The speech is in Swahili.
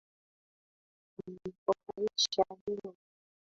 Amenifurahisha leo.